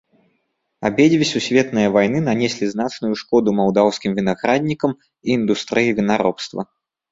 Абедзве сусветныя вайны нанеслі значную шкоду малдаўскім вінаграднікам і індустрыі вінаробства.